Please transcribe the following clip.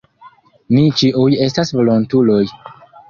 Ni ĉiuj estas volontuloj.